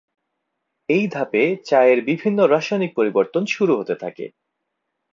এই ধাপে চা এর বিভিন্ন রাসায়নিক পরিবর্তন শুরু হতে থাকে।